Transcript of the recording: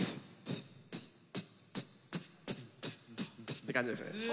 って感じですね。